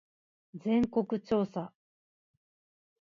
全国調査